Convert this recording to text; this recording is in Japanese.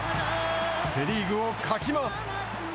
セ・リーグをかき回す。